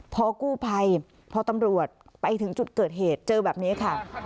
พอกู้ภัยพอตำรวจไปถึงจุดเกิดเหตุเจอแบบนี้ค่ะ